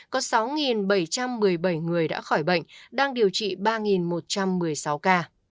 có sáu bảy trăm một mươi bảy người đã khỏi bệnh đang điều trị ba một trăm một mươi sáu ca